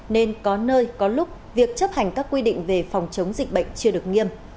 nên có nơi có lúc việc chấp hành các quy định về phòng chống dịch bệnh chưa được nghiêm